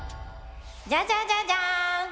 ジャジャジャジャーン！